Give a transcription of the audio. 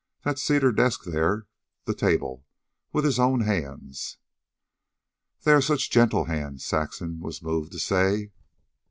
That cedar desk there, the table with his own hands." "They are such gentle hands," Saxon was moved to say.